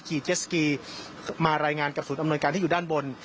เจสสกีมารายงานกับศูนย์อำนวยการที่อยู่ด้านบน